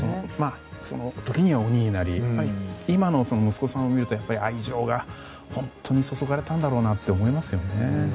時には鬼になり今の息子さんを見ると愛情が本当に注がれたんだろうなって思いますよね。